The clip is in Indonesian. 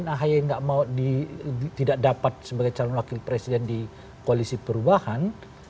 nah yang kedua kalau kemudian ahs tidak dapat sebagai calon wakil presiden di koalisi perubahan